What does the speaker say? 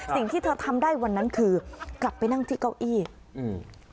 สิ่งที่เธอทำได้วันนั้นคือกลับไปนั่งที่เก้าอี้อืม